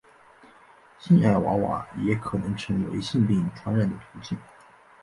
性爱娃娃也可能成为性病传染的途径。